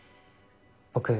僕